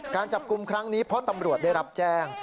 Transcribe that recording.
การจับกลุ่มครั้งนี้เพราะตำรวจได้รับแจ้ง